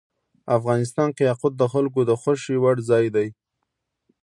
افغانستان کې یاقوت د خلکو د خوښې وړ ځای دی.